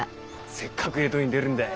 せっかく江戸に出るんだい。